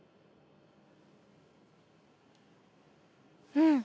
うん。